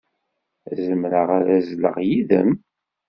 Zemreɣ ad azzleɣ yid-m?